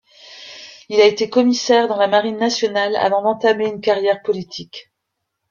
Il a été commissaire dans la Marine nationale avant d'entamer une carrière politique.